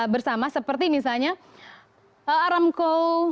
bersama seperti misalnya aramco